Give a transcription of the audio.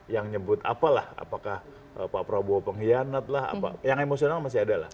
yang nyebut apalah apakah pak prabowo pengkhianat lah apa yang emosional masih ada lah